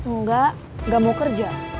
enggak gak mau kerja